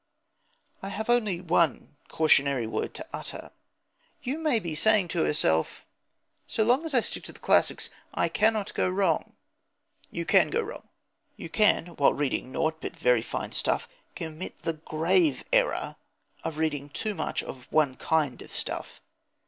I have only one cautionary word to utter. You may be saying to yourself: "So long as I stick to classics I cannot go wrong." You can go wrong. You can, while reading naught but very fine stuff, commit the grave error of reading too much of one kind of stuff.